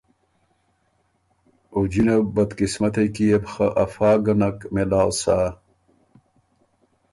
او جِنه بدقمستئ کی يې بو خه افا ګه نک مېلاؤ سَۀ